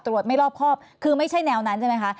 ไม่รอบครอบคือไม่ใช่แนวนั้นใช่ไหมคะ